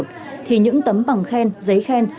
thì những tấm bằng khen giấy khen